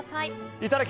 いただき！